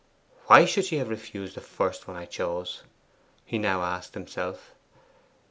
'Why should she have refused the one I first chose?' he now asked himself.